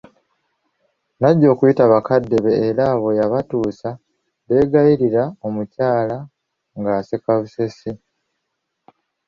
Najja okuyita bakadde be era bwe yabatuusa beegayirira omukyala nga aseka busesi.